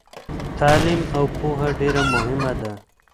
تعلیم او پوهه ډیره مهمه ده.